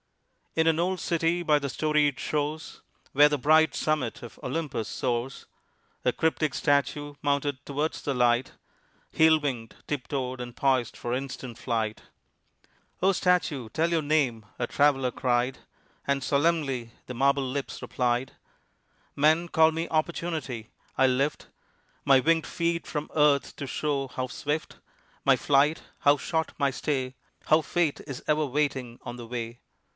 In an old city by the storied shores Where the bright summit of Olympus soars, A cryptic statue mounted towards the light Heel winged, tip toed, and poised for instant flight. "O statue, tell your name," a traveler cried, And solemnly the marble lips replied: "Men call me Opportunity: I lift My winged feet from earth to show how swift My flight, how short my stay How Fate is ever waiting on the way."